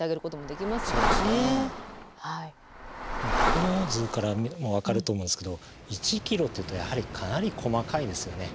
この図から見ても分かると思うんですけど１ｋｍっていうとやはりかなり細かいですよね。